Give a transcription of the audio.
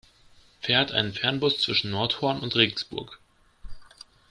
Fährt ein Fernbus zwischen Nordhorn und Regensburg?